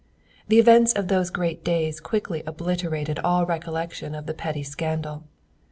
The events of those great days quickly obliterated all recollection of the petty scandal.